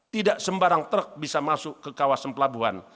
tidak sembarang truk bisa masuk ke kawasan pelabuhan